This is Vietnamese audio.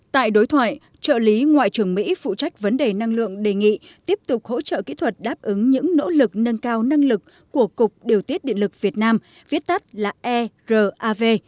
tại đối thoại trợ lý ngoại trưởng mỹ phụ trách vấn đề năng lượng đề nghị tiếp tục hỗ trợ kỹ thuật đáp ứng những nỗ lực nâng cao năng lực của cục điều tiết điện lực việt nam viết tắt là erav